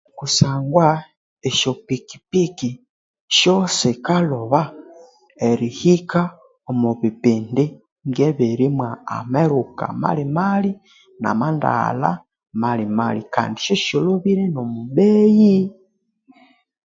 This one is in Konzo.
Kusangwa esyopikipiki syosikalhoba erihika omubipindi ngebiri mwa meruka mali mali namandaghalha mali mali Kandi syasyolhobire no mubeyi